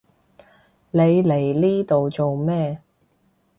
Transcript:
你嚟呢度做咩？